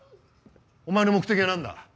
お前の目的は何だ？